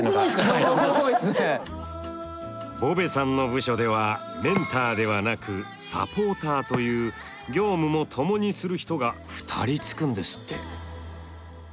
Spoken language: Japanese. ボヴェさんの部署ではメンターではなくサポーターという業務も共にする人が２人つくんですって。